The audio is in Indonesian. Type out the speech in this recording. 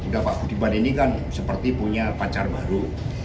dan pak budiman ini kan seperti punya pacar baru